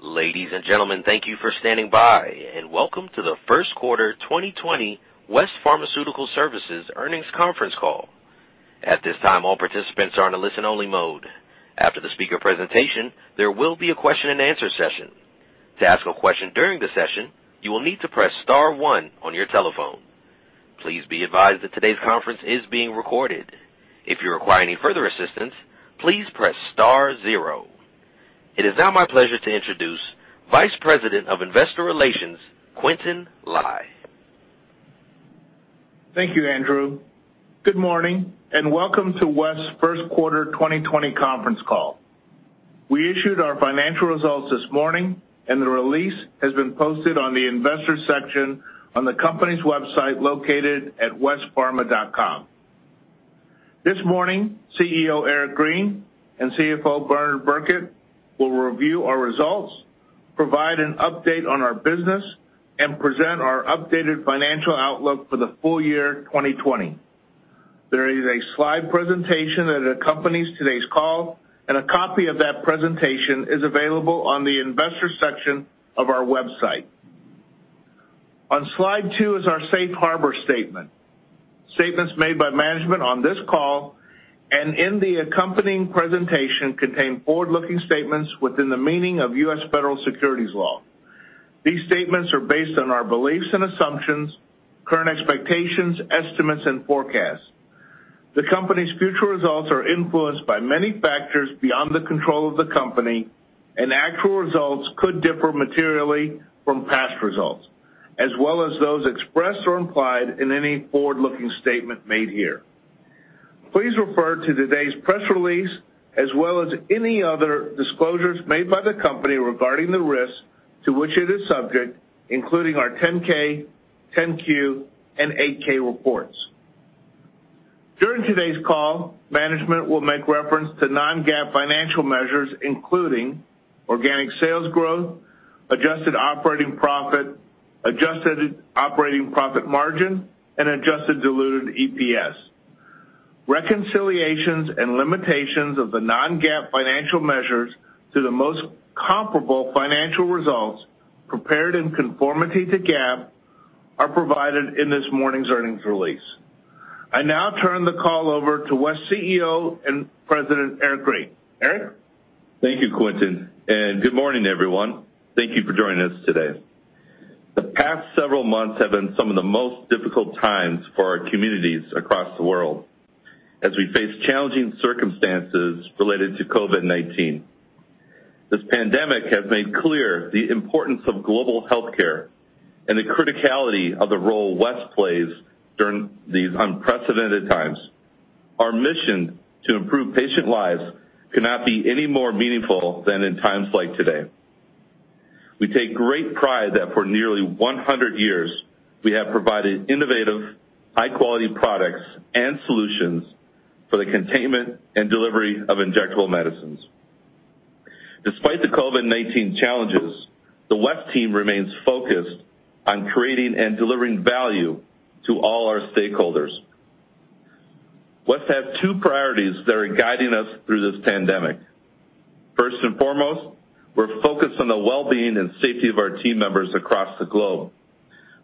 Ladies and gentlemen, thank you for standing by, and welcome to the First Quarter 2020 West Pharmaceutical Services earnings conference call. At this time, all participants are in a listen-only mode. After the speaker presentation, there will be a question-and-answer session. To ask a question during the session, you will need to press star one on your telephone. Please be advised that today's conference is being recorded. If you require any further assistance, please press star zero. It is now my pleasure to introduce Vice President of Investor Relations, Quintin Lai. Thank you, Andrew. Good morning and welcome to West's First Quarter 2020 conference call. We issued our financial results this morning, and the release has been posted on the investor section on the company's website located at westpharma.com. This morning, CEO Eric Green and CFO Bernard Birkett will review our results, provide an update on our business, and present our updated financial outlook for the full year 2020. There is a slide presentation that accompanies today's call, and a copy of that presentation is available on the investor section of our website. On slide two is our safe harbor statement. Statements made by management on this call and in the accompanying presentation contain forward-looking statements within the meaning of U.S. federal securities law. These statements are based on our beliefs and assumptions, current expectations, estimates, and forecasts. The company's future results are influenced by many factors beyond the control of the company, and actual results could differ materially from past results, as well as those expressed or implied in any forward-looking statement made here. Please refer to today's press release, as well as any other disclosures made by the company regarding the risks to which it is subject, including our 10-K, 10-Q, and 8-K reports. During today's call, management will make reference to non-GAAP financial measures, including organic sales growth, adjusted operating profit, adjusted operating profit margin, and adjusted diluted EPS. Reconciliations and limitations of the non-GAAP financial measures to the most comparable financial results prepared in conformity to GAAP are provided in this morning's earnings release. I now turn the call over to West CEO and President Eric Green. Eric. Thank you, Quintin, and good morning, everyone. Thank you for joining us today. The past several months have been some of the most difficult times for our communities across the world as we face challenging circumstances related to COVID-19. This pandemic has made clear the importance of global healthcare and the criticality of the role West plays during these unprecedented times. Our mission to improve patient lives cannot be any more meaningful than in times like today. We take great pride that for nearly 100 years, we have provided innovative, high-quality products and solutions for the containment and delivery of injectable medicines. Despite the COVID-19 challenges, the West team remains focused on creating and delivering value to all our stakeholders. West has two priorities that are guiding us through this pandemic. First and foremost, we're focused on the well-being and safety of our team members across the globe.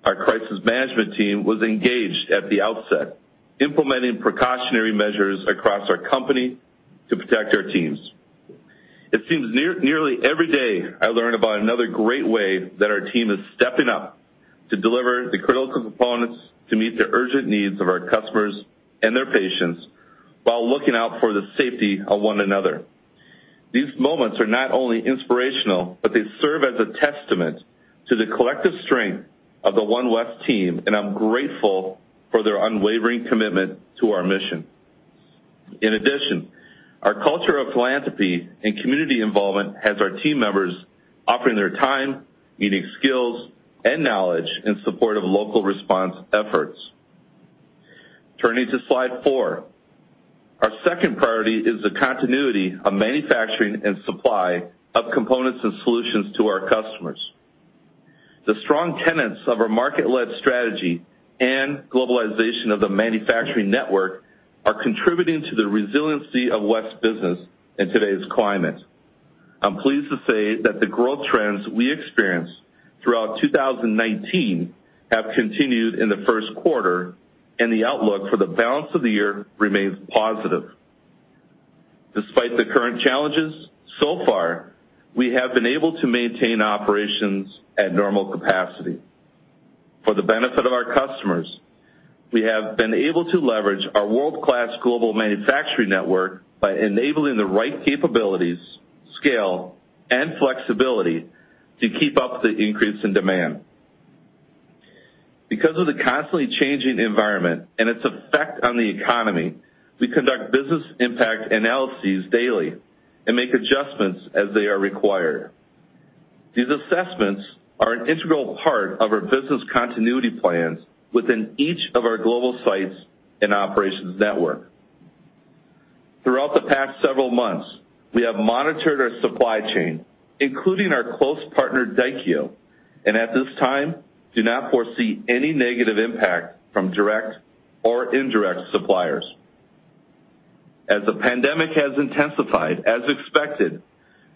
Our crisis management team was engaged at the outset, implementing precautionary measures across our company to protect our teams. It seems nearly every day I learn about another great way that our team is stepping up to deliver the critical components to meet the urgent needs of our customers and their patients while looking out for the safety of one another. These moments are not only inspirational, but they serve as a testament to the collective strength of the One West team, and I'm grateful for their unwavering commitment to our mission. In addition, our culture of philanthropy and community involvement has our team members offering their time, unique skills, and knowledge in support of local response efforts. Turning to slide four, our second priority is the continuity of manufacturing and supply of components and solutions to our customers. The strong tenets of our market-led strategy and globalization of the manufacturing network are contributing to the resiliency of West's business in today's climate. I'm pleased to say that the growth trends we experienced throughout 2019 have continued in the first quarter, and the outlook for the balance of the year remains positive. Despite the current challenges, so far, we have been able to maintain operations at normal capacity. For the benefit of our customers, we have been able to leverage our world-class global manufacturing network by enabling the right capabilities, scale, and flexibility to keep up the increase in demand. Because of the constantly changing environment and its effect on the economy, we conduct business impact analyses daily and make adjustments as they are required. These assessments are an integral part of our business continuity plans within each of our global sites and operations network. Throughout the past several months, we have monitored our supply chain, including our close partner, Daikyo, and at this time, do not foresee any negative impact from direct or indirect suppliers. As the pandemic has intensified, as expected,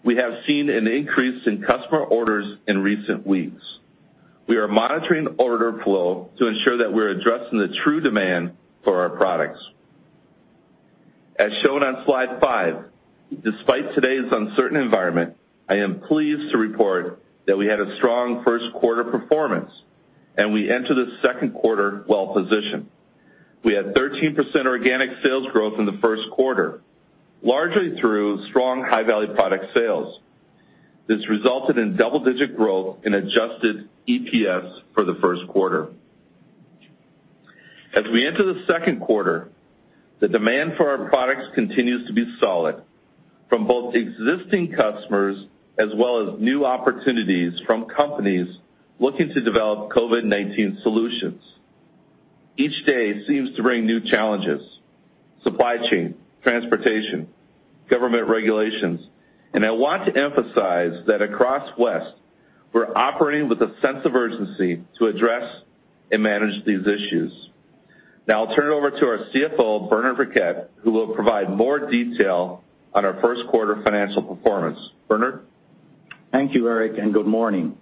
we have seen an increase in customer orders in recent weeks. We are monitoring order flow to ensure that we're addressing the true demand for our products. As shown on slide five, despite today's uncertain environment, I am pleased to report that we had a strong first quarter performance, and we entered the second quarter well-positioned. We had 13% organic sales growth in the first quarter, largely through strong high-value product sales. This resulted in double-digit growth in adjusted EPS for the first quarter. As we enter the second quarter, the demand for our products continues to be solid from both existing customers as well as new opportunities from companies looking to develop COVID-19 solutions. Each day seems to bring new challenges: supply chain, transportation, government regulations, and I want to emphasize that across West, we're operating with a sense of urgency to address and manage these issues. Now, I'll turn it over to our CFO, Bernard Birkett, who will provide more detail on our first quarter financial performance. Bernard. Thank you, Eric, and good morning.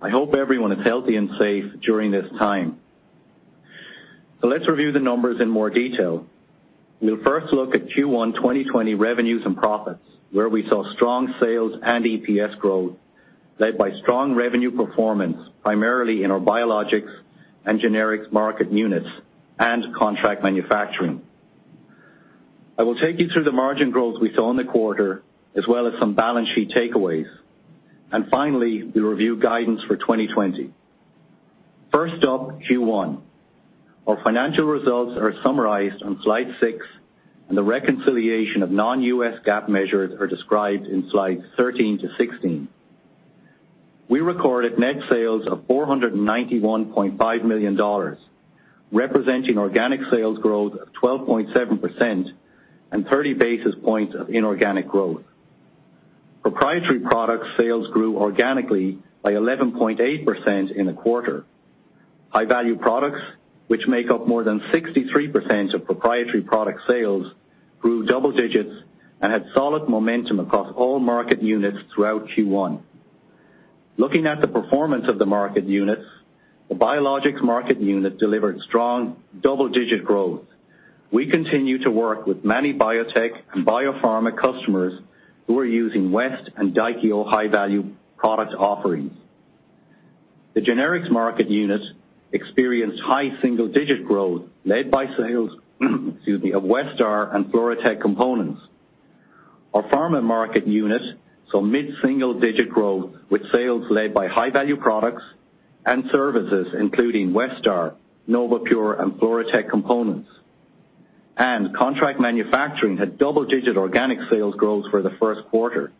I hope everyone is healthy and safe during this time. So let's review the numbers in more detail. We'll first look at Q1 2020 revenues and profits, where we saw strong sales and EPS growth led by strong revenue performance, primarily in our biologics and Generics market units and contract manufacturing. I will take you through the margin growth we saw in the quarter, as well as some balance sheet takeaways. And finally, we'll review guidance for 2020. First up, Q1. Our financial results are summarized on slide six, and the reconciliation of non-GAAP measures are described in slides 13 to 16. We recorded net sales of $491.5 million, representing organic sales growth of 12.7% and 30 basis points of inorganic growth. Proprietary product sales grew organically by 11.8% in the quarter. High-value products, which make up more than 63% of proprietary product sales, grew double digits and had solid momentum across all market units throughout Q1. Looking at the performance of the market units, the Biologics market unit delivered strong double-digit growth. We continue to work with many biotech and biopharma customers who are using West and Daikyo high-value product offerings. The Generics market unit experienced high single-digit growth led by sales of Westar and FluroTec components. Our Pharma market unit saw mid-single-digit growth with sales led by high-value products and services, including Westar, NovaPure, and FluroTec components, and contract manufacturing had double-digit organic sales growth for the first quarter,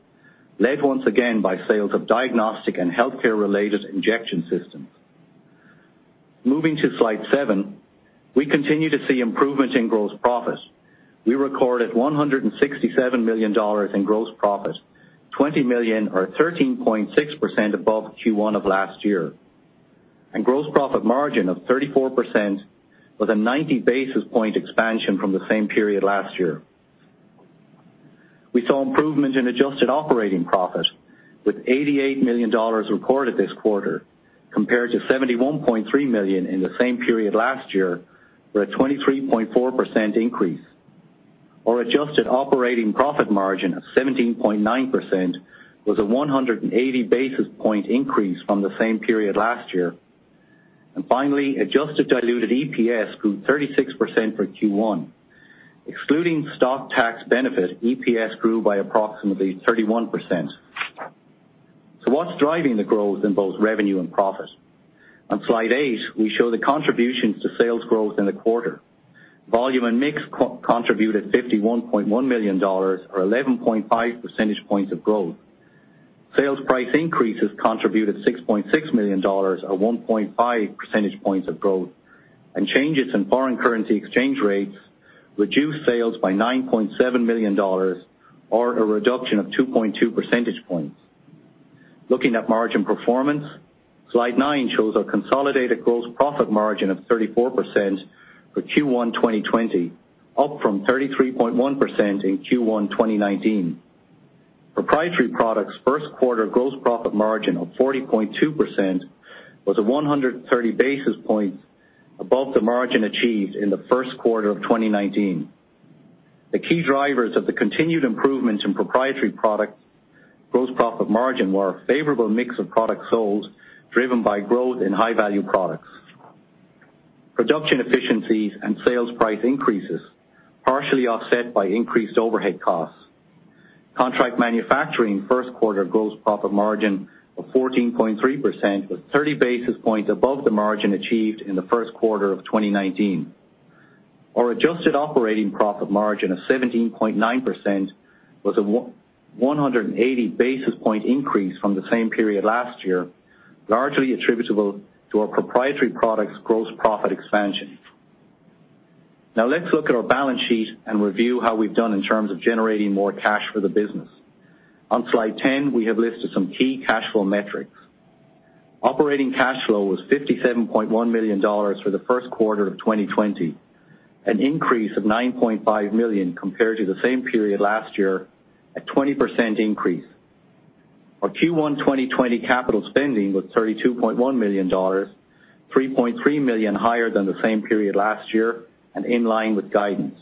led once again by sales of diagnostic and healthcare-related injection systems. Moving to slide seven, we continue to see improvement in gross profit. We recorded $167 million in gross profit, $20 million, or 13.6% above Q1 of last year. And gross profit margin of 34% was a 90 basis point expansion from the same period last year. We saw improvement in adjusted operating profit, with $88 million reported this quarter, compared to $71.3 million in the same period last year, for a 23.4% increase. Our adjusted operating profit margin of 17.9% was a 180 basis point increase from the same period last year. And finally, adjusted diluted EPS grew 36% for Q1. Excluding stock tax benefit, EPS grew by approximately 31%. So what's driving the growth in both revenue and profit? On slide eight, we show the contributions to sales growth in the quarter. Volume and mix contributed $51.1 million, or 11.5 percentage points of growth. Sales price increases contributed $6.6 million, or 1.5 percentage points of growth. And changes in foreign currency exchange rates reduced sales by $9.7 million, or a reduction of 2.2 percentage points. Looking at margin performance, slide nine shows our consolidated gross profit margin of 34% for Q1 2020, up from 33.1% in Q1 2019. Proprietary products' first quarter gross profit margin of 40.2% was 130 basis points above the margin achieved in the first quarter of 2019. The key drivers of the continued improvements in proprietary product gross profit margin were a favorable mix of product sold driven by growth in high-value products, production efficiencies, and sales price increases, partially offset by increased overhead costs. Contract manufacturing first quarter gross profit margin of 14.3% was 30 basis points above the margin achieved in the first quarter of 2019. Our adjusted operating profit margin of 17.9% was a 180 basis point increase from the same period last year, largely attributable to our proprietary products' gross profit expansion. Now, let's look at our balance sheet and review how we've done in terms of generating more cash for the business. On slide 10, we have listed some key cash flow metrics. Operating cash flow was $57.1 million for the first quarter of 2020, an increase of $9.5 million compared to the same period last year at a 20% increase. Our Q1 2020 capital spending was $32.1 million, $3.3 million higher than the same period last year and in line with guidance.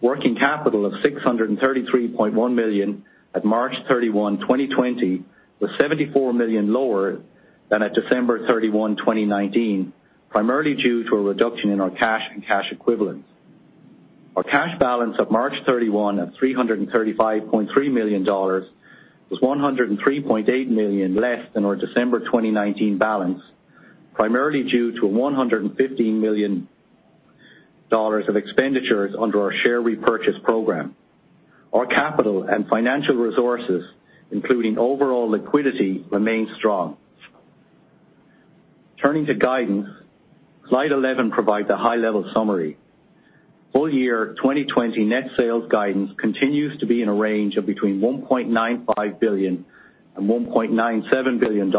Working capital of $633.1 million at March 31, 2020, was $74 million lower than at December 31, 2019, primarily due to a reduction in our cash and cash equivalents. Our cash balance of March 31 of $335.3 million was $103.8 million less than our December 2019 balance, primarily due to $115 million of expenditures under our share repurchase program. Our capital and financial resources, including overall liquidity, remain strong. Turning to guidance, slide 11 provides a high-level summary. Full year 2020 net sales guidance continues to be in a range of between $1.95 billion and $1.97 billion.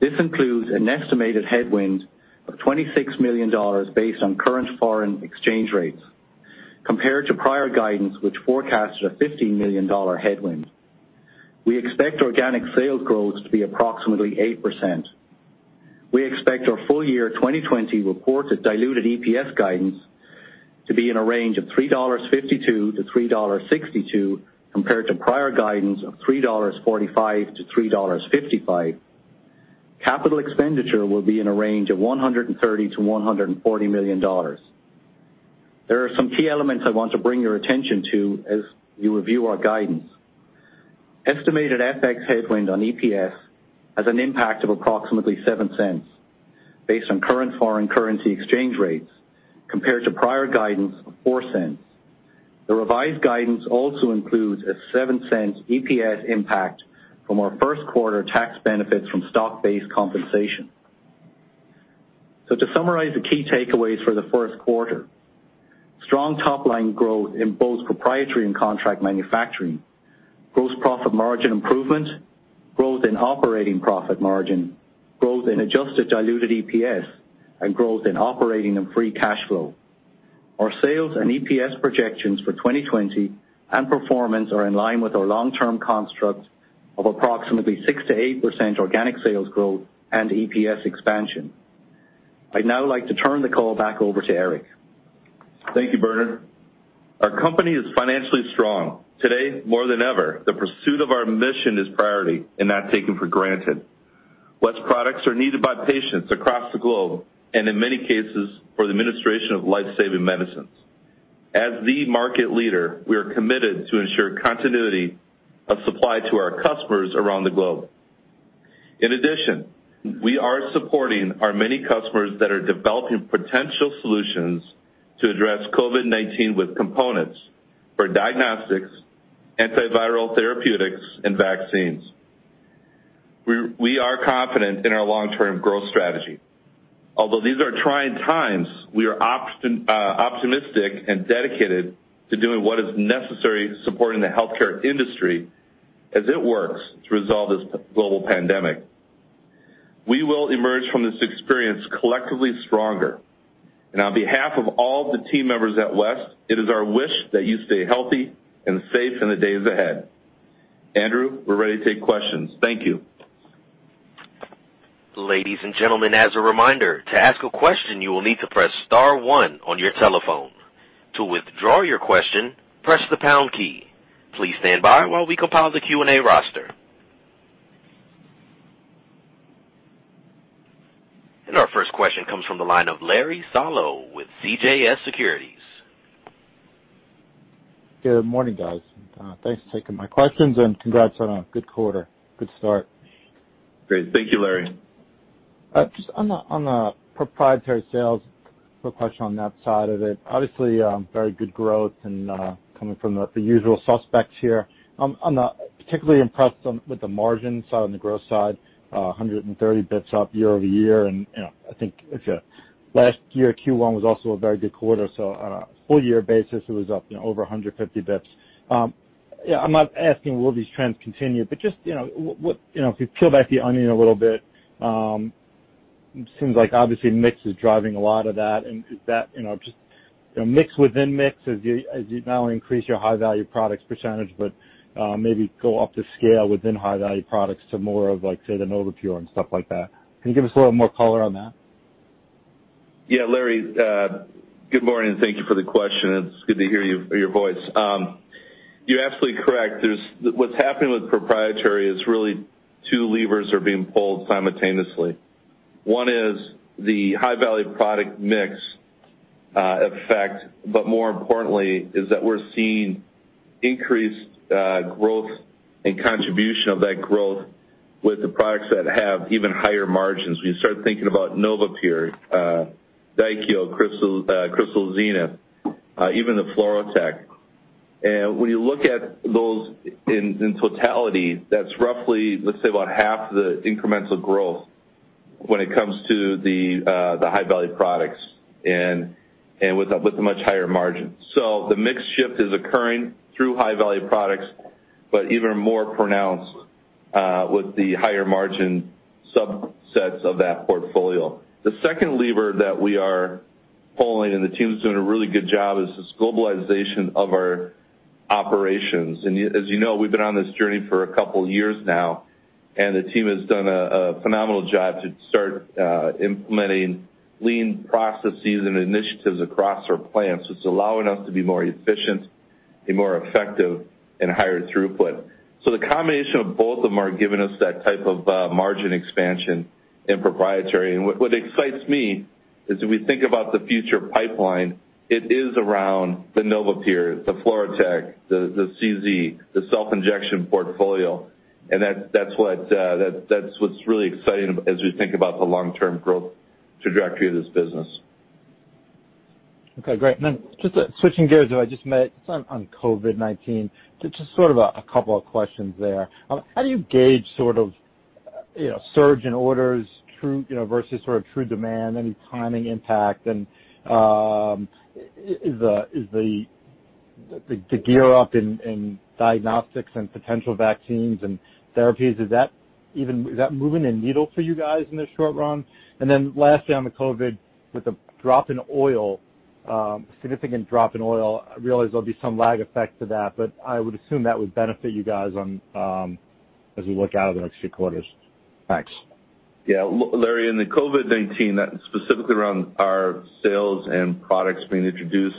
This includes an estimated headwind of $26 million based on current foreign exchange rates, compared to prior guidance, which forecasted a $15 million headwind. We expect organic sales growth to be approximately 8%. We expect our full year 2020 reported diluted EPS guidance to be in a range of $3.52-$3.62, compared to prior guidance of $3.45-$3.55. Capital expenditure will be in a range of $130-$140 million. There are some key elements I want to bring your attention to as you review our guidance. Estimated FX headwind on EPS has an impact of approximately $0.07 based on current foreign currency exchange rates, compared to prior guidance of $0.04. The revised guidance also includes a $0.07 EPS impact from our first quarter tax benefits from stock-based compensation. So to summarize the key takeaways for the first quarter: strong top-line growth in both proprietary and contract manufacturing, gross profit margin improvement, growth in operating profit margin, growth in adjusted diluted EPS, and growth in operating and free cash flow. Our sales and EPS projections for 2020 and performance are in line with our long-term construct of approximately 6%-8% organic sales growth and EPS expansion. I'd now like to turn the call back over to Eric. Thank you, Bernard. Our company is financially strong. Today, more than ever, the pursuit of our mission is priority and not taken for granted. West products are needed by patients across the globe and, in many cases, for the administration of lifesaving medicines. As the market leader, we are committed to ensure continuity of supply to our customers around the globe. In addition, we are supporting our many customers that are developing potential solutions to address COVID-19 with components for diagnostics, antiviral therapeutics, and vaccines. We are confident in our long-term growth strategy. Although these are trying times, we are optimistic and dedicated to doing what is necessary supporting the healthcare industry as it works to resolve this global pandemic. We will emerge from this experience collectively stronger. And on behalf of all the team members at West, it is our wish that you stay healthy and safe in the days ahead. Andrew, we're ready to take questions. Thank you. Ladies and gentlemen, as a reminder, to ask a question, you will need to press star one on your telephone. To withdraw your question, press the pound key. Please stand by while we compile the Q&A roster, and our first question comes from the line of Larry Solow with CJS Securities. Good morning, guys. Thanks for taking my questions and congrats on a good quarter, good start. Great. Thank you, Larry. Just on the proprietary sales, quick question on that side of it. Obviously, very good growth and coming from the usual suspects here. I'm particularly impressed with the margin side on the growth side, 130 basis points up year over year. And I think last year, Q1 was also a very good quarter. So on a full year basis, it was up over 150 basis points. Yeah, I'm not asking will these trends continue, but just if you peel back the onion a little bit, it seems like obviously mix is driving a lot of that. And is that just mix within mix as you not only increase your high-value products percentage, but maybe go up the scale within high-value products to more of, say, the NovaPure and stuff like that. Can you give us a little more color on that? Yeah, Larry, good morning. Thank you for the question. It's good to hear your voice. You're absolutely correct. What's happening with proprietary is really two levers are being pulled simultaneously. One is the high-value product mix effect, but more importantly, is that we're seeing increased growth and contribution of that growth with the products that have even higher margins. We started thinking about NovaPure, Daikyo, Crystal Zenith, even the FluroTec and when you look at those in totality, that's roughly, let's say, about half the incremental growth when it comes to the high-value products and with a much higher margin, so the mix shift is occurring through high-value products, but even more pronounced with the higher margin subsets of that portfolio. The second lever that we are pulling, and the team's doing a really good job, is this globalization of our operations. And as you know, we've been on this journey for a couple of years now, and the team has done a phenomenal job to start implementing lean processes and initiatives across our plants, which is allowing us to be more efficient, be more effective, and higher throughput. So the combination of both of them are giving us that type of margin expansion in proprietary. And what excites me is if we think about the future pipeline, it is around the NovaPure, the FluroTec, the CZ, the self-injection portfolio. And that's what's really exciting as we think about the long-term growth trajectory of this business. Okay, great. And then just switching gears to what I just meant on COVID-19, just sort of a couple of questions there. How do you gauge sort of surge in orders versus sort of true demand? Any timing impact? And is the gear up in diagnostics and potential vaccines and therapies? Is that moving a needle for you guys in the short run? And then lastly, on the COVID, with the drop in oil, significant drop in oil, I realize there'll be some lag effect to that, but I would assume that would benefit you guys as we look out of the next few quarters. Thanks. Yeah, Larry, in the COVID-19 that specifically around our sales and products being introduced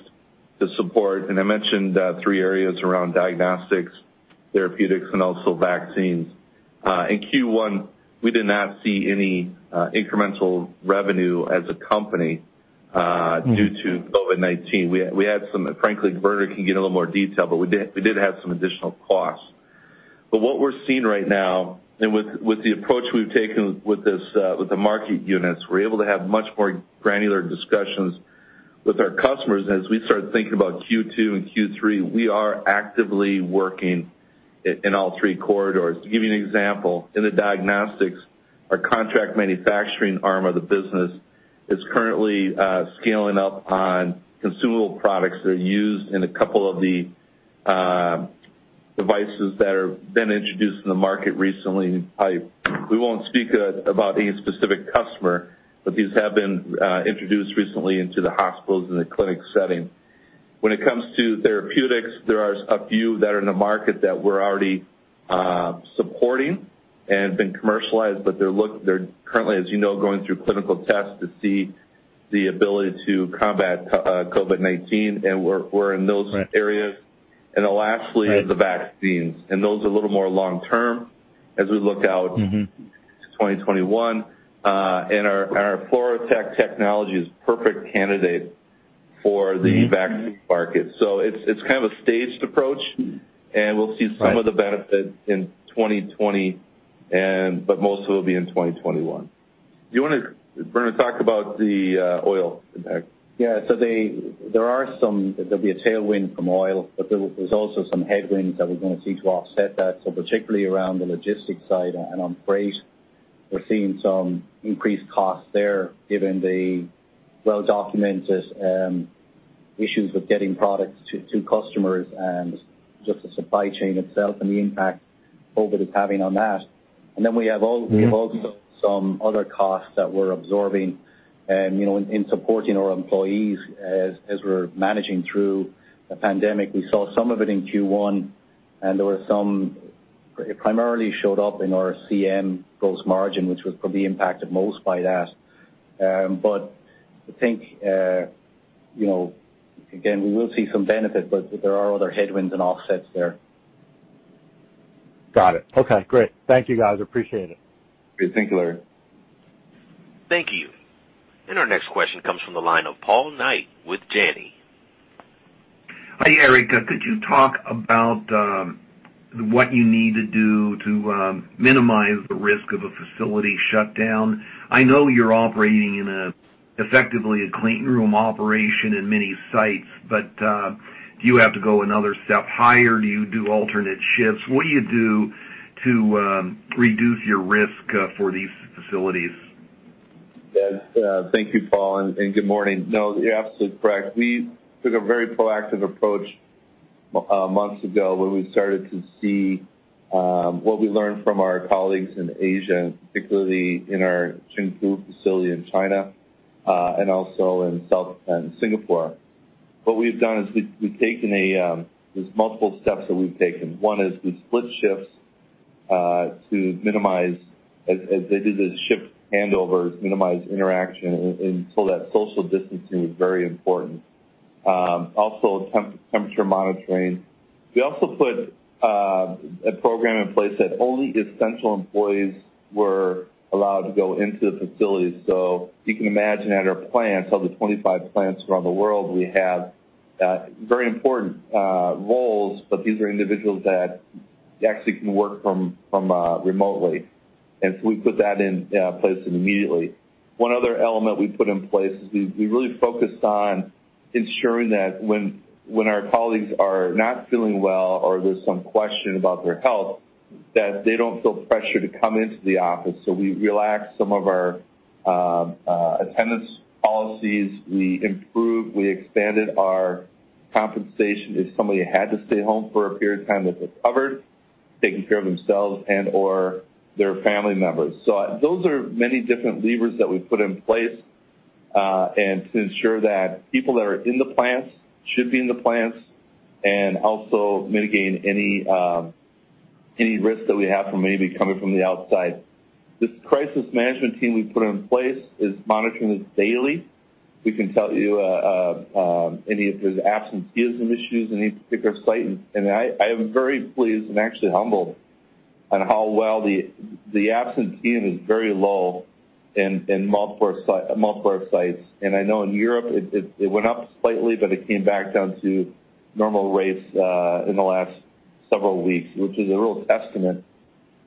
to support, and I mentioned three areas around diagnostics, therapeutics, and also vaccines. In Q1, we did not see any incremental revenue as a company due to COVID-19. We had some, frankly, Bernard can get a little more detail, but we did have some additional costs, but what we're seeing right now, and with the approach we've taken with the market units, we're able to have much more granular discussions with our customers, and as we started thinking about Q2 and Q3, we are actively working in all three corridors. To give you an example, in the diagnostics, our contract manufacturing arm of the business is currently scaling up on consumable products that are used in a couple of the devices that have been introduced in the market recently. We won't speak about any specific customer, but these have been introduced recently into the hospitals and the clinic setting. When it comes to therapeutics, there are a few that are in the market that we're already supporting and have been commercialized, but they're currently, as you know, going through clinical tests to see the ability to combat COVID-19, and we're in those areas, and lastly, the vaccines, and those are a little more long-term as we look out to 2021, and our Flurotec technology is a perfect candidate for the vaccine market, so it's kind of a staged approach, and we'll see some of the benefit in 2020, but most of it will be in 2021. Do you want to, Bernard, talk about the oil impact? Yeah, so there are some, there'll be a tailwind from oil, but there's also some headwinds that we're going to see to offset that. So particularly around the logistics side and on freight, we're seeing some increased costs there given the well-documented issues with getting products to customers and just the supply chain itself and the impact COVID is having on that, and then we have also some other costs that we're absorbing in supporting our employees as we're managing through the pandemic. We saw some of it in Q1, and there were some, it primarily showed up in our CM gross margin, which was probably impacted most by that, but I think, again, we will see some benefit, but there are other headwinds and offsets there. Got it. Okay, great. Thank you, guys. Appreciate it. Great. Thank you, Larry. Thank you, and our next question comes from the line of Paul Knight with Janney. Hi, Eric. Could you talk about what you need to do to minimize the risk of a facility shutdown? I know you're operating in effectively a cleanroom operation in many sites, but do you have to go another step higher? Do you do alternate shifts? What do you do to reduce your risk for these facilities? Thank you, Paul, and good morning. No, you're absolutely correct. We took a very proactive approach months ago when we started to see what we learned from our colleagues in Asia, particularly in our Chengdu facility in China and also in Singapore. What we've done is we've taken. There's multiple steps that we've taken. One is we split shifts to minimize, as they do the shift handovers, minimize interaction until that social distancing was very important. Also, temperature monitoring. We also put a program in place that only essential employees were allowed to go into the facility. So you can imagine at our plants, of the 25 plants around the world, we have very important roles, but these are individuals that actually can work remotely, and so we put that in place immediately. One other element we put in place is we really focused on ensuring that when our colleagues are not feeling well or there's some question about their health, that they don't feel pressured to come into the office. So we relaxed some of our attendance policies. We improved, we expanded our compensation if somebody had to stay home for a period of time that they're covered, taking care of themselves and/or their family members. So those are many different levers that we put in place to ensure that people that are in the plants should be in the plants and also mitigate any risk that we have from maybe coming from the outside. This crisis management team we put in place is monitoring it daily. We can tell you of any absences if there are some issues in any particular site. I am very pleased and actually humbled by how well the absenteeism is very low in multiple sites. I know in Europe, it went up slightly, but it came back down to normal rates in the last several weeks, which is a real testament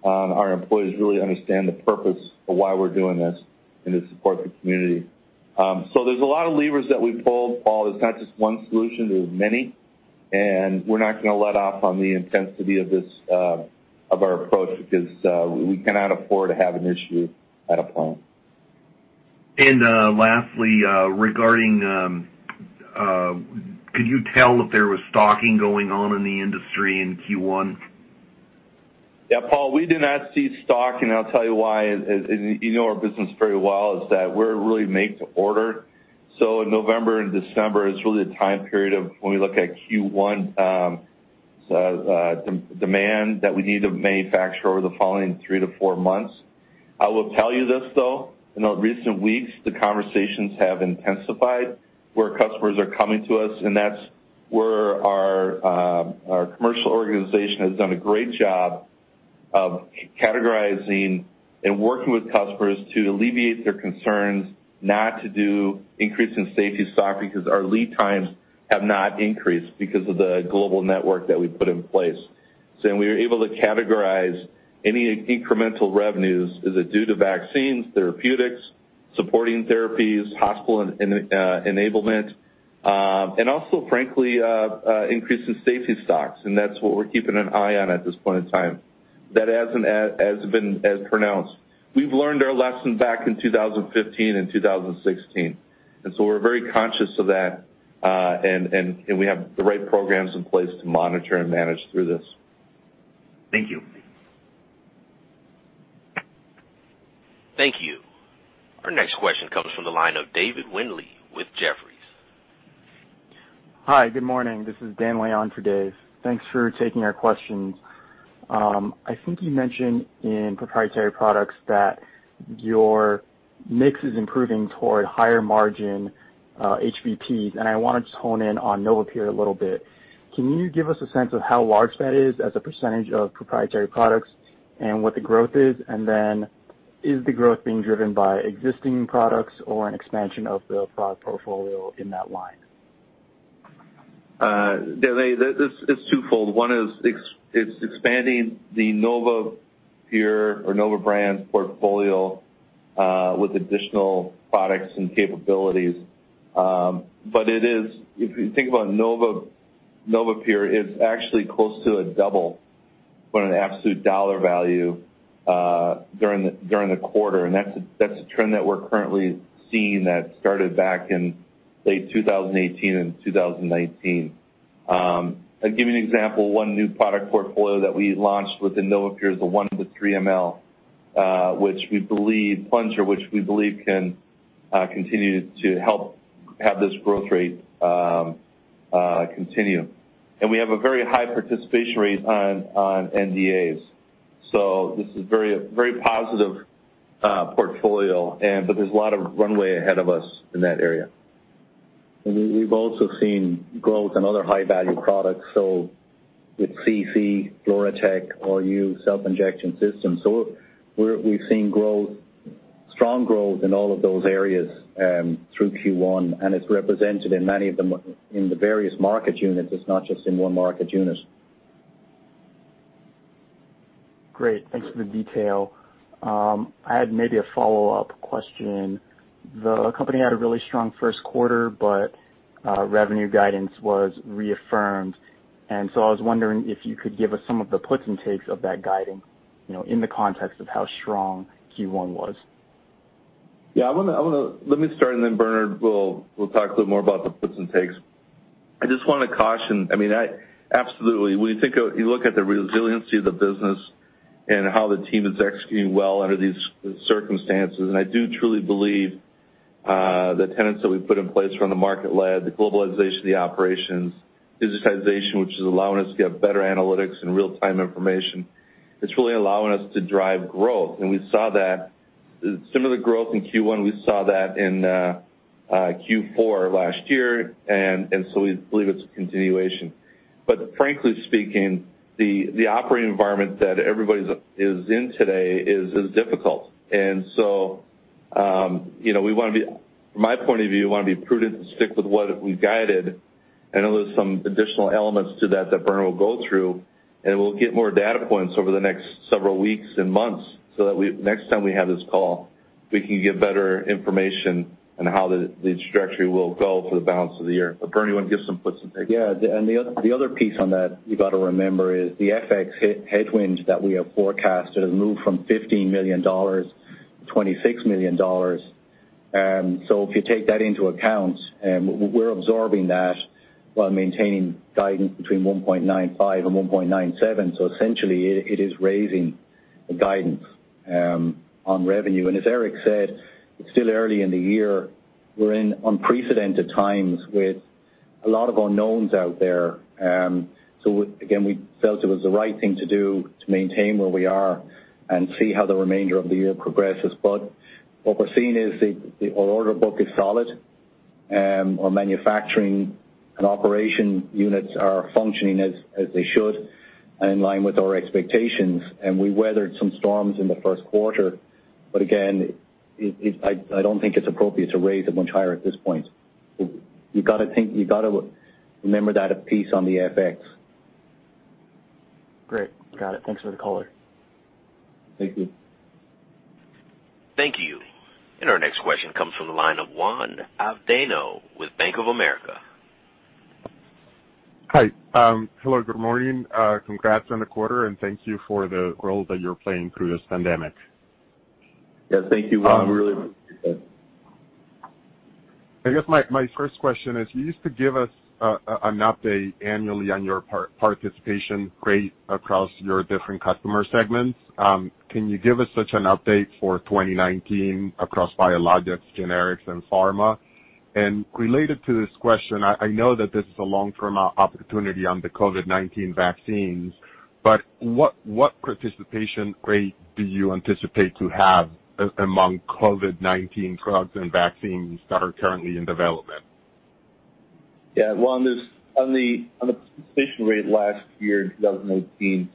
to how our employees really understand the purpose of why we're doing this and to support the community. So there's a lot of levers that we pulled, Paul. There's not just one solution. There are many. We're not going to let up on the intensity of our approach because we cannot afford to have an issue at a plant. And lastly, regarding could you tell if there was stocking going on in the industry in Q1? Yeah, Paul, we did not see stock, and I'll tell you why. And you know our business very well, is that we're really make-to-order. So in November and December, it's really a time period of when we look at Q1 demand that we need to manufacture over the following three to four months. I will tell you this, though, in the recent weeks, the conversations have intensified where customers are coming to us. And that's where our commercial organization has done a great job of categorizing and working with customers to alleviate their concerns, not to do increasing safety stock because our lead times have not increased because of the global network that we put in place. So we were able to categorize any incremental revenues as it's due to vaccines, therapeutics, supporting therapies, hospital enablement, and also, frankly, increasing safety stocks. And that's what we're keeping an eye on at this point in time. That hasn't been as pronounced. We've learned our lesson back in 2015 and 2016. And so we're very conscious of that, and we have the right programs in place to monitor and manage through this. Thank you. Thank you. Our next question comes from the line of David Windley with Jefferies. Hi, good morning. This is Dan Leon for Dave. Thanks for taking our questions. I think you mentioned in proprietary products that your mix is improving toward higher margin HVPs, and I want to just hone in on NovaPure a little bit. Can you give us a sense of how large that is as a percentage of proprietary products and what the growth is, and then is the growth being driven by existing products or an expansion of the product portfolio in that line? Yeah, it's twofold. One is it's expanding the NovaPure or Nova brand portfolio with additional products and capabilities. But if you think about NovaPure, it's actually close to a double on an absolute dollar value during the quarter. And that's a trend that we're currently seeing that started back in late 2018 and 2019. I'll give you an example. One new product portfolio that we launched within NovaPure is the 1-3 mL which we believe can continue to help have this growth rate continue. And we have a very high participation rate on NDAs. So this is a very positive portfolio, but there's a lot of runway ahead of us in that area. And we've also seen growth in other high-value products, so with CZ, FluroTec, RU, self-injection systems. We've seen growth, strong growth in all of those areas through Q1, and it's represented in many of the various market units. It's not just in one market unit. Great. Thanks for the detail. I had maybe a follow-up question. The company had a really strong first quarter, but revenue guidance was reaffirmed, and so I was wondering if you could give us some of the puts and takes of that guiding in the context of how strong Q1 was. Yeah, I want to let me start, and then Bernard will talk a little more about the puts and takes. I just want to caution, I mean, absolutely, when you look at the resiliency of the business and how the team is executing well under these circumstances, and I do truly believe the tenets that we put in place from the market-led, the globalization of the operations, digitization, which is allowing us to get better analytics and real-time information. It's really allowing us to drive growth, and we saw that similar growth in Q1. We saw that in Q4 last year, and so we believe it's a continuation, but frankly speaking, the operating environment that everybody is in today is difficult, and so we want to be, from my point of view, we want to be prudent and stick with what we guided. There's some additional elements to that that Bernard will go through. We'll get more data points over the next several weeks and months so that next time we have this call, we can give better information on how the trajectory will go for the balance of the year. Bernie, you want to give some puts and takes? Yeah. And the other piece on that you've got to remember is the FX headwinds that we have forecasted have moved from $15 million to $26 million. And so if you take that into account, we're absorbing that while maintaining guidance between 1.95 and 1.97. So essentially, it is raising the guidance on revenue. And as Eric said, it's still early in the year. We're in unprecedented times with a lot of unknowns out there. So again, we felt it was the right thing to do to maintain where we are and see how the remainder of the year progresses. But what we're seeing is our order book is solid. Our manufacturing and operation units are functioning as they should and in line with our expectations. And we weathered some storms in the first quarter. But again, I don't think it's appropriate to raise it much higher at this point. You've got to remember that piece on the FX. Great. Got it. Thanks for the color. Thank you. Thank you, and our next question comes from the line of Juan Avendano with Bank of America. Hi. Hello. Good morning. Congrats on the quarter, and thank you for the role that you're playing through this pandemic. Yeah, thank you, Juan. We really appreciate that. I guess my first question is you used to give us an update annually on your participation rate across your different customer segments. Can you give us such an update for 2019 across biologics, generics, and pharma? And related to this question, I know that this is a long-term opportunity on the COVID-19 vaccines, but what participation rate do you anticipate to have among COVID-19 drugs and vaccines that are currently in development? Yeah. Well, on the participation rate last year, 2018,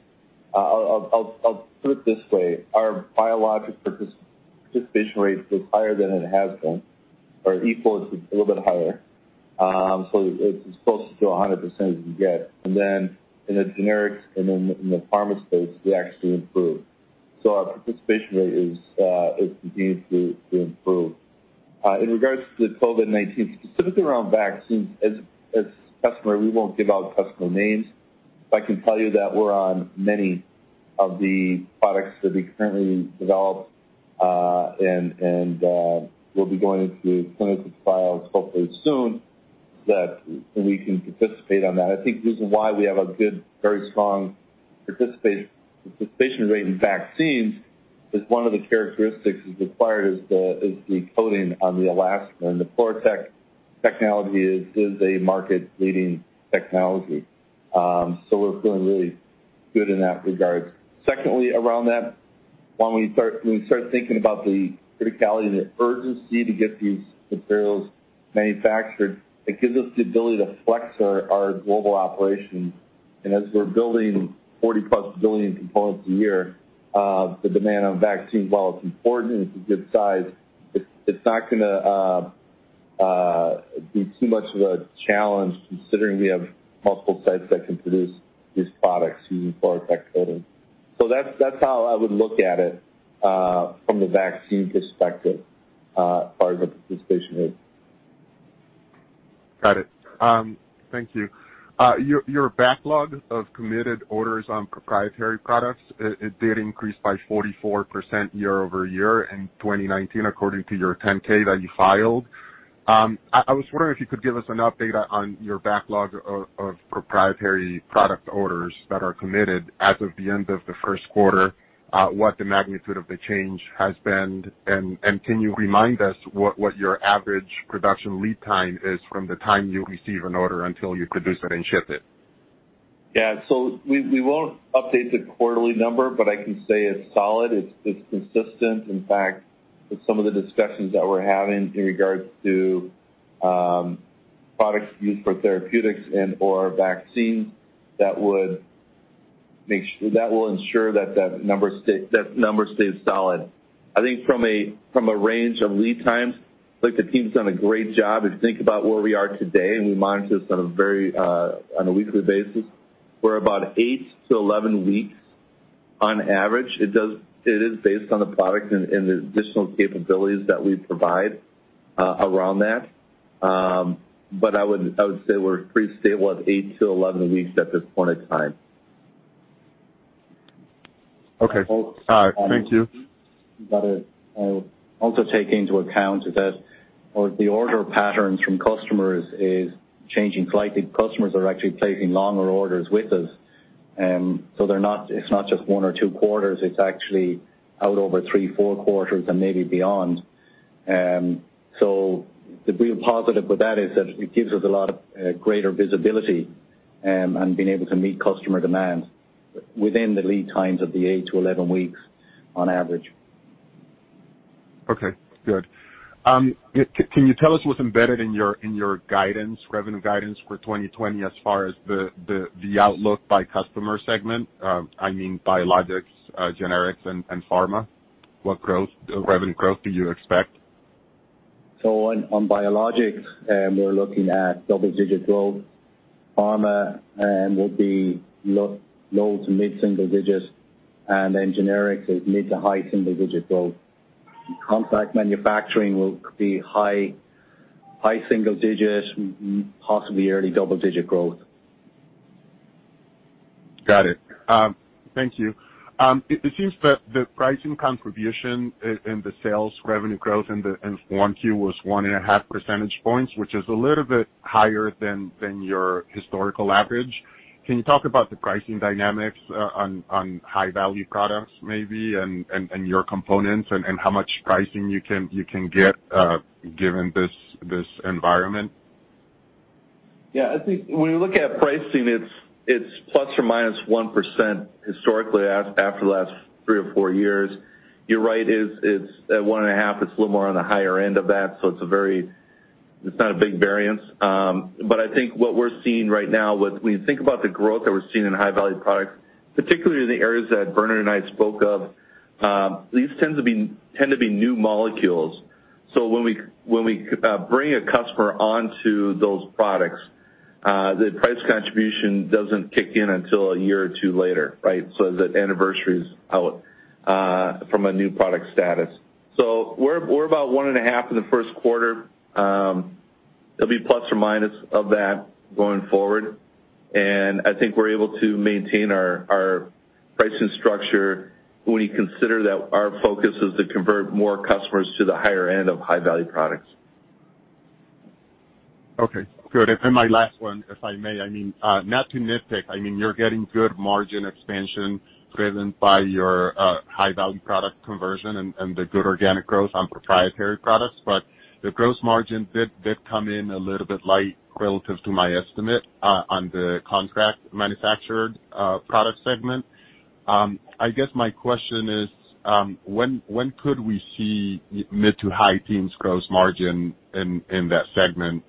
I'll put it this way. Our biologic participation rate was higher than it has been or equal to a little bit higher. So it's close to 100% you can get. And then in the generics and in the pharma space, we actually improved. So our participation rate is continuing to improve. In regards to the COVID-19, specifically around vaccines, as a customer, we won't give out customer names. But I can tell you that we're on many of the products that we currently develop, and we'll be going into clinical trials hopefully soon that we can participate on that. I think the reason why we have a good, very strong participation rate in vaccines is one of the characteristics required is the coating on the elastomer. And the FluroTec technology is a market-leading technology. So we're feeling really good in that regard. Secondly, around that, when we start thinking about the criticality and the urgency to get these materials manufactured, it gives us the ability to flex our global operations. And as we're building 40-plus billion components a year, the demand on vaccine, while it's important and it's a good size, it's not going to be too much of a challenge considering we have multiple sites that can produce these products using FluroTec coating. So that's how I would look at it from the vaccine perspective as far as the participation rate. Got it. Thank you. Your backlog of committed orders on proprietary products, it did increase by 44% year over year in 2019 according to your 10-K that you filed. I was wondering if you could give us an update on your backlog of proprietary product orders that are committed as of the end of the first quarter, what the magnitude of the change has been, and can you remind us what your average production lead time is from the time you receive an order until you produce it and ship it? Yeah, so we won't update the quarterly number, but I can say it's solid. It's consistent. In fact, with some of the discussions that we're having in regards to products used for therapeutics and/or vaccines, that will ensure that that number stays solid. I think from a range of lead times, the team's done a great job. If you think about where we are today and we monitor this on a weekly basis, we're about eight to 11 weeks on average. It is based on the product and the additional capabilities that we provide around that. But I would say we're pretty stable at eight to 11 weeks at this point in time. Okay. Thank you. You've got it. I will also take into account that the order patterns from customers is changing slightly. Customers are actually placing longer orders with us. So it's not just one or two quarters. It's actually out over three, four quarters, and maybe beyond. So the real positive with that is that it gives us a lot of greater visibility and being able to meet customer demand within the lead times of the 8-11 weeks on average. Okay. Good. Can you tell us what's embedded in your guidance, revenue guidance for 2020 as far as the outlook by customer segment, I mean, biologics, generics, and pharma? What revenue growth do you expect? So on biologics, we're looking at double-digit growth. Pharma will be low to mid-single digits. And then generics is mid to high single-digit growth. Contract manufacturing will be high single-digit, possibly early double-digit growth. Got it. Thank you. It seems that the pricing contribution in the sales revenue growth in Q1 was 1.5 percentage points, which is a little bit higher than your historical average. Can you talk about the pricing dynamics on high-value products maybe and your components and how much pricing you can get given this environment? Yeah. I think when you look at pricing, it's plus or minus 1% historically after the last three or four years. You're right. It's at 1.5%. It's a little more on the higher end of that. So it's not a big variance. But I think what we're seeing right now, when you think about the growth that we're seeing in high-value products, particularly in the areas that Bernard and I spoke of, these tend to be new molecules. So when we bring a customer onto those products, the price contribution doesn't kick in until a year or two later, right, so that anniversary's out from a new product status. So we're about 1.5% in the first quarter. It'll be plus or minus of that going forward. I think we're able to maintain our pricing structure when you consider that our focus is to convert more customers to the higher end of high-value products. Okay. Good. And my last one, if I may, I mean, not to nitpick, I mean, you're getting good margin expansion driven by your high-value product conversion and the good organic growth on proprietary products. But the gross margin did come in a little bit light relative to my estimate on the contract manufactured product segment. I guess my question is, when could we see mid- to high-teens gross margin in that segment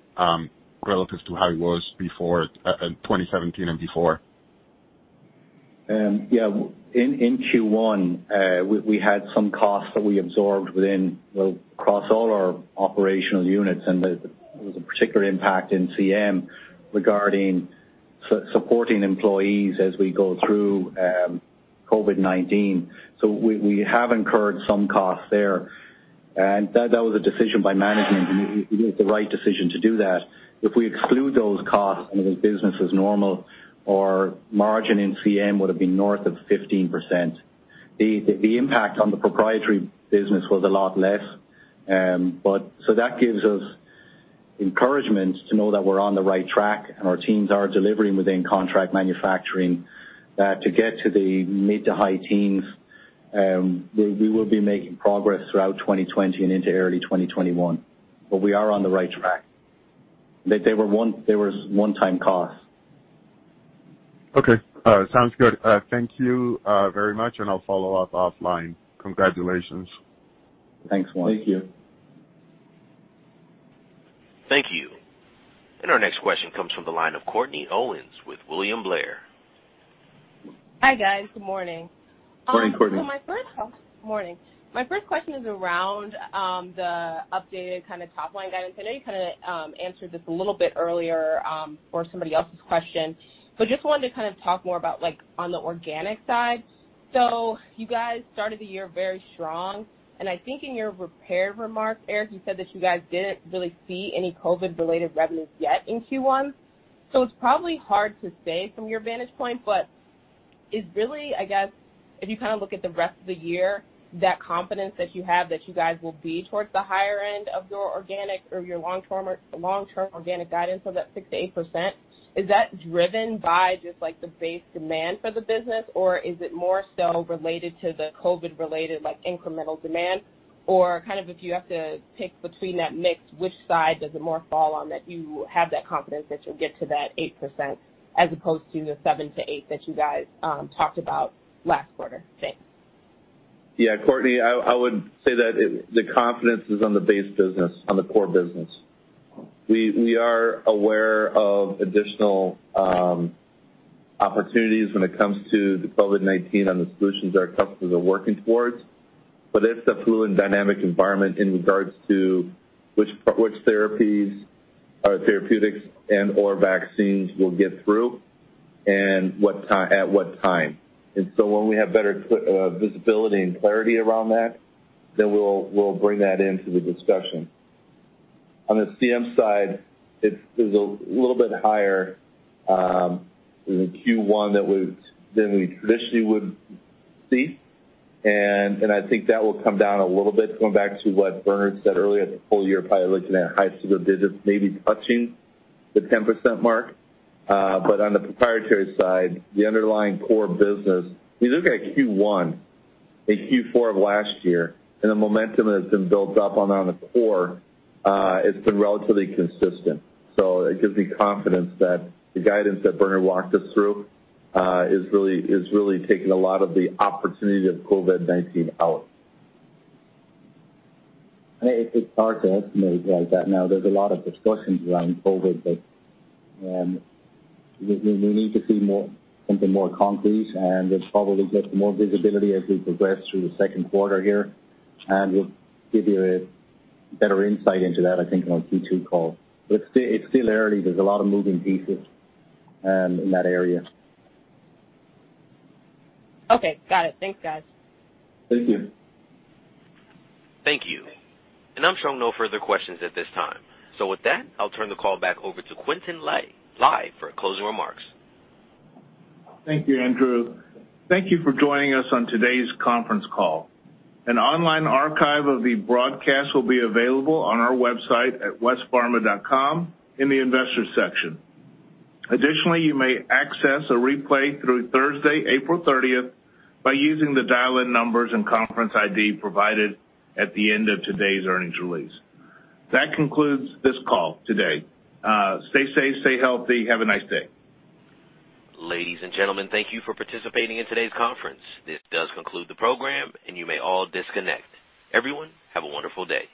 relative to how it was before 2017 and before? Yeah. In Q1, we had some costs that we absorbed within and across all our operational units, and there was a particular impact in CM regarding supporting employees as we go through COVID-19, so we have incurred some costs there, and that was a decision by management. It was the right decision to do that. If we exclude those costs and it was business as normal, our margin in CM would have been north of 15%. The impact on the proprietary business was a lot less, so that gives us encouragement to know that we're on the right track and our teams are delivering within contract manufacturing to get to the mid to high teens. We will be making progress throughout 2020 and into early 2021, but we are on the right track. There were one-time costs. Okay. Sounds good. Thank you very much, and I'll follow up offline. Congratulations. Thanks, Juan. Thank you. Thank you. And our next question comes from the line of Courtney Owens with William Blair. Hi, guys. Good morning. Good morning, Courtney. So my first question is around the updated kind of top-line guidance. I know you kind of answered this a little bit earlier for somebody else's question, but just wanted to kind of talk more about on the organic side. So you guys started the year very strong. And I think in your prepared remarks, Eric, you said that you guys didn't really see any COVID-related revenues yet in Q1. So it's probably hard to say from your vantage point. But is really, I guess, if you kind of look at the rest of the year, that confidence that you have that you guys will be towards the higher end of your organic or your long-term organic guidance of that 6%-8%, is that driven by just the base demand for the business, or is it more so related to the COVID-related incremental demand? Or kind of if you have to pick between that mix, which side does it more fall on that you have that confidence that you'll get to that 8% as opposed to the 7% to 8% that you guys talked about last quarter? Thanks. Yeah. Courtney, I would say that the confidence is on the base business, on the core business. We are aware of additional opportunities when it comes to the COVID-19 and the solutions that our customers are working towards, but it's a fluid and dynamic environment in regards to which therapies or therapeutics and/or vaccines will get through and at what time, and so when we have better visibility and clarity around that, then we'll bring that into the discussion. On the CM side, it's a little bit higher in Q1 than we traditionally would see, and I think that will come down a little bit going back to what Bernard said earlier at the full year, probably looking at high single digits, maybe touching the 10% mark. But on the proprietary side, the underlying core business, we look at Q1 and Q4 of last year, and the momentum that's been built up on the core. It's been relatively consistent. So it gives me confidence that the guidance that Bernard walked us through is really taking a lot of the opportunity of COVID-19 out. It's hard to estimate like that now. There's a lot of discussions around COVID, but we need to see something more concrete, and we'll probably get more visibility as we progress through the second quarter here, and we'll give you a better insight into that, I think, in our Q2 call, but it's still early. There's a lot of moving pieces in that area. Okay. Got it. Thanks, guys. Thank you. Thank you. And I'm showing no further questions at this time. So with that, I'll turn the call back over to Quintin Lai for closing remarks. Thank you, Andrew. Thank you for joining us on today's conference call. An online archive of the broadcast will be available on our website at westpharma.com in the investor section. Additionally, you may access a replay through Thursday, April 30th, by using the dial-in numbers and conference ID provided at the end of today's earnings release. That concludes this call today. Stay safe. Stay healthy. Have a nice day. Ladies and gentlemen, thank you for participating in today's conference. This does conclude the program, and you may all disconnect. Everyone, have a wonderful day.